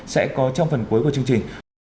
sẽ có trong phần cuối của chương trình